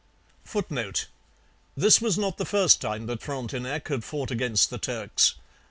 [Footnote: This was not the first time that Frontenac had fought against the Turks.